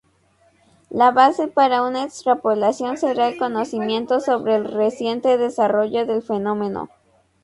La base para una extrapolación será el conocimiento sobre el reciente desarrollo del fenómeno.